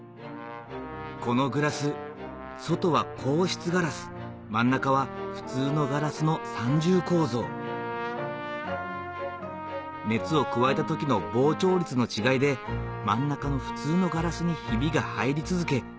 このグラス外は硬質ガラス真ん中は普通のガラスの３重構造熱を加えた時の膨張率の違いで真ん中の普通のガラスにヒビが入り続け